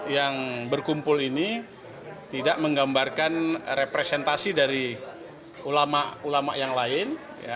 yang berkumpul ini tidak menggambarkan representasi dari ulama ulama yang lain